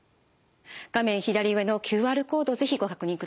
左上のＱＲコードを是非ご確認ください。